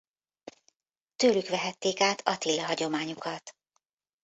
Tőlük vehették át Attila-hagyományukat.